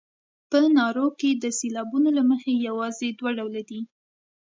په نارو کې د سېلابونو له مخې یوازې دوه ډوله دي.